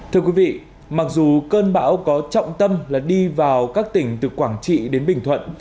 thưa quý vị mặc dù cơn bão có trọng tâm là đi vào các tỉnh từ quảng trị đến bình thuận